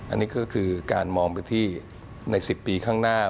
อันนี้ก็คือการมองไปที่ใน๑๐ปีข้างหน้า